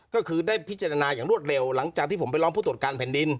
ก็คือได้พิจารณาอย่างรวดเร็วหลังจากที่ผมไปร้องผู้ตรวจการแผ่นดิน